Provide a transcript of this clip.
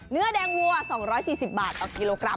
เนื้อแดงวัว๒๔๐บาทต่อกิโลกรัม